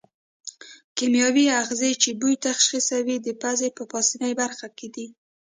کیمیاوي آخذې چې بوی تشخیصوي د پزې په پاسنۍ برخه کې دي.